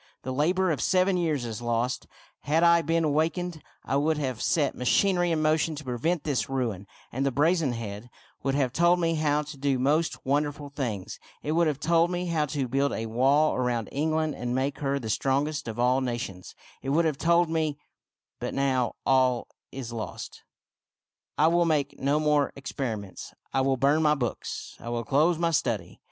The labor of seven years is lost. Had I been wakened, I would have set machinery in motion to prevent this ruin; and the brazen head FRIAR BACON AND THE BRAZEN HEAD 8 1 would have told me how to do most wonderful things. It would have told me how to build a wall around England and make her the strongest of all nations. It would have told me — But now, all is lost, I will make no more experiments; I will burn my books; I will close my study.